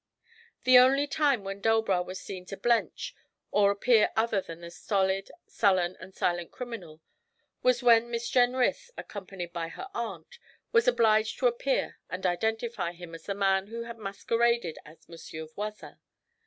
The only time when Delbras was seen to blench or to appear other than the stolid, sullen, and silent criminal was when Miss Jenrys, accompanied by her aunt, was obliged to appear and identify him as the man who had masqueraded as Monsieur Voisin.